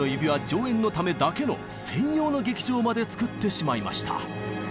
上演のためだけの専用の劇場まで造ってしまいました。